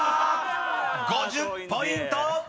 ［５０ポイント！］